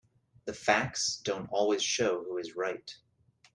The facts don't always show who is right.